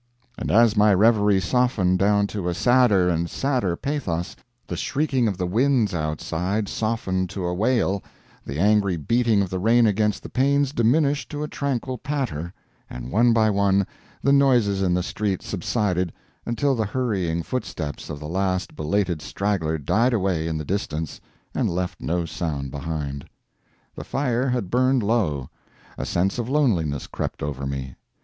And as my reverie softened down to a sadder and sadder pathos, the shrieking of the winds outside softened to a wail, the angry beating of the rain against the panes diminished to a tranquil patter, and one by one the noises in the street subsided, until the hurrying footsteps of the last belated straggler died away in the distance and left no sound behind. The fire had burned low. A sense of loneliness crept over me.